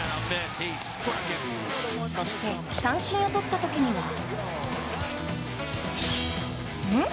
そして、三振をとった時にはん？